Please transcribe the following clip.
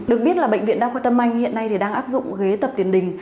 được biết là bệnh viện đa khoa tâm anh hiện nay đang áp dụng ghế tập tiền đình